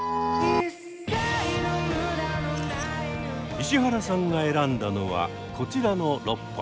石原さんが選んだのはこちらの６本。